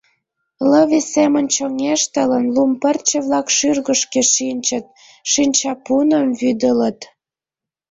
Лыве семын чоҥештылын, лум пырче-влак шӱргышкӧ шинчыт, шинчапуным вӱдылыт.